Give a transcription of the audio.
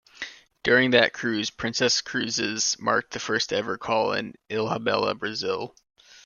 During that cruise Princess Cruises marked the first ever call in Ilhabela, Brazil.